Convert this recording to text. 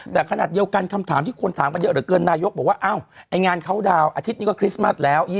แต่ขนาดเดียวกันคำถามที่คนถามกันเยอะเหลือเกินนายกบอกว่าอ้าวไอ้งานเขาดาวนอาทิตย์นี้ก็คริสต์มัสแล้ว